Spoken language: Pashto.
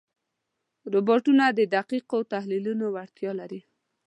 روبوټونه د دقیقو تحلیلونو وړتیا لري.